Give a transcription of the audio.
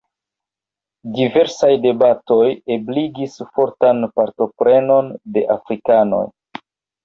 Diversaj debatoj ebligis fortan partoprenon de afrikanoj.